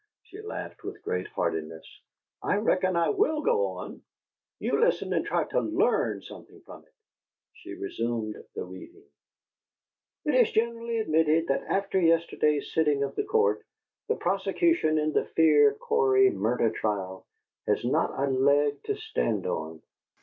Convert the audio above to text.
She laughed with great heartiness. "I reckon I WILL go on! You listen and try to LEARN something from it!" She resumed the reading: "'It is generally admitted that after yesterday's sitting of the court, the prosecution in the Fear Cory murder trial has not a leg to stand on.